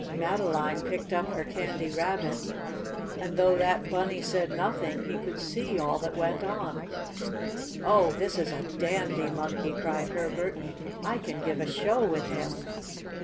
Madeline picked up her Candy Rabbit, and though that Bunny said nothing, he could see all that went on. "Oh, this is a dandy Monkey!" cried Herbert. "I can give a show with him!"